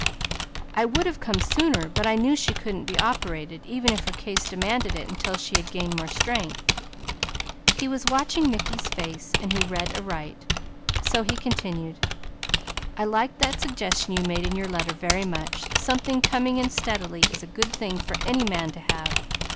I would have come sooner, but I knew she couldn't be operated, even if her case demanded it, until she had gained more strength " He was watching Mickey's face and he read aright, so he continued: "I like that suggestion you made in your letter very much. Something 'coming in steadily' is a good thing for any man to have.